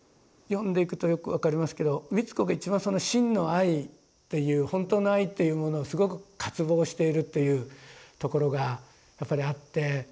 読んでいくとよく分かりますけど美津子が一番その真の愛っていう本当の愛というものをすごく渇望しているっていうところがやっぱりあって。